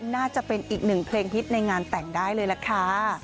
น่าจะเป็นอีกหนึ่งเพลงฮิตในงานแต่งได้เลยล่ะค่ะ